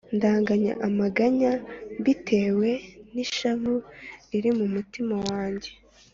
ndaganya amaganya mbitewe n’ishavu riri mu mutima wanjye